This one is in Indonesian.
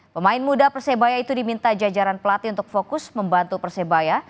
pemain muda persebaya itu diminta jajaran pelatih untuk fokus membantu persebaya